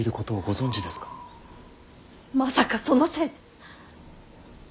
まさかそのせいで。